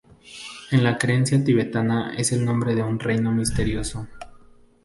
En la creencia tibetana es el nombre de un reino misterioso.